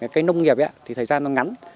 cây nông nghiệp thì thời gian nó ngắn